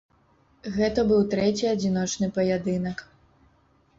Гэта быў трэці адзіночны паядынак.